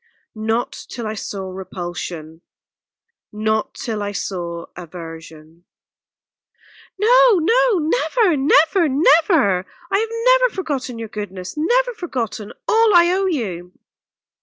"Not till I saw repulsion not till I saw aversion." "No, no never, never, never! I have never forgotten your goodness never forgotten all I owe you."